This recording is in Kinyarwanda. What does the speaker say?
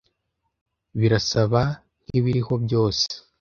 Birasa nkibiriho byose